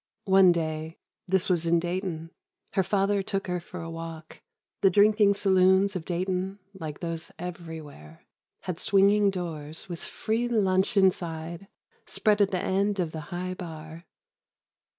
One day—this was in Dayton—her father took her for a walk. The drinking saloons of Dayton, like those everywhere, had swinging doors, with free lunch inside, spread at the end of the high bar.